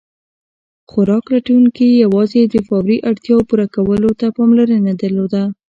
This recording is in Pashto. خوراک لټونکي یواځې د فوري اړتیاوو پوره کولو ته پاملرنه درلوده.